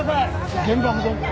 現場保存だ。